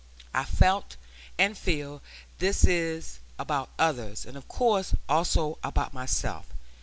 I felt, and feel, this about others; and of course also about myself.